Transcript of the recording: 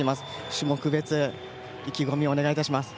種目別の意気込みをお願いします。